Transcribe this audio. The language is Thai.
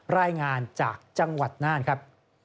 รายงานจากจังหวัดน่านครับ